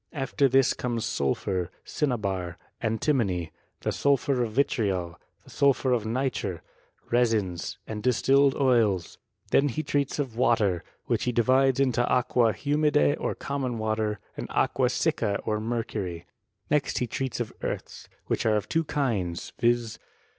After this comes sulphur, cinnabar, antimony, the sulphur of vitTJol, the sulphur of nitre, resins, and distilled oils. Then he treats of water, which he di vides into aqua hwrnida or common water, and aqua sicca or mercury. Next be treats of earths, which are of Iwo kinds, viz.